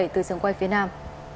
từ trường quay phía nam